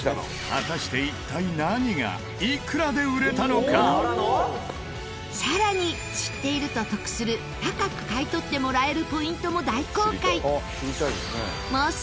果たして一体さらに知っていると得する高く買い取ってもらえるポイントも大公開！